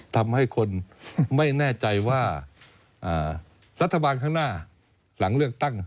ทำให้คนไม่แน่ใจว่ารัฐบาลข้างหน้าหลังเลือกตั้ง